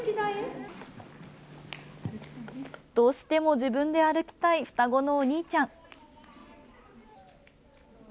どうしても自分で歩きたい双子のお兄ちゃん。